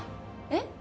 えっ？